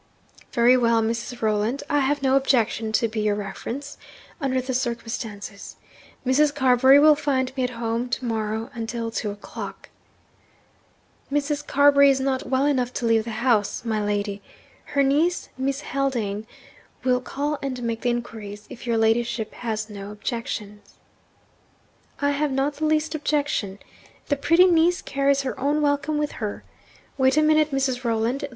'Very well, Mrs. Rolland, I have no objection to be your reference, under the circumstances. Mrs. Carbury will find me at home to morrow until two o'clock.' 'Mrs. Carbury is not well enough to leave the house, my lady. Her niece, Miss Haldane, will call and make the inquiries, if your ladyship has no objection.' 'I have not the least objection. The pretty niece carries her own welcome with her. Wait a minute, Mrs. Rolland.